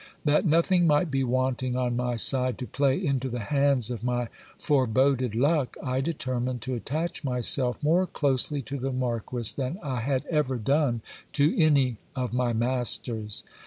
That nothing might be wanting on my side to play into the hands of my foreboded luck, I determined to attach myself more closely to the marquis than I had ever done to any of my masters.